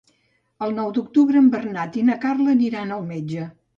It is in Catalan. El nou d'octubre en Bernat i na Carla aniran al metge.